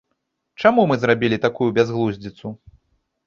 Чаму мы зрабілі такую бязглуздзіцу?